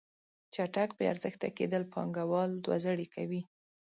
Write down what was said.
چټک بې ارزښته کیدل پانګوال دوه زړې کوي.